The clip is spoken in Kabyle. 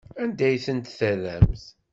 Anda ay tent-terramt?